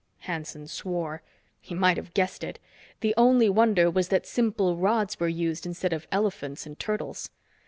Hanson swore. He might have guessed it! The only wonder was that simple rods were used instead of elephants and turtles.